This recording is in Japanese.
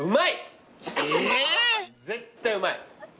絶対うまい。